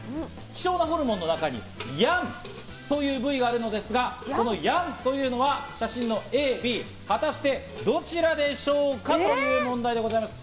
希少なホルモンの中にヤンという部位があるのですが、このヤンというのは写真のＡ、Ｂ、果たしてどちらでしょうか？という問題でございます。